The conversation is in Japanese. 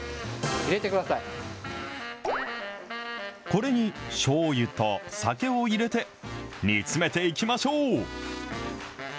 これにしょうゆと酒を入れて、煮詰めていきましょう。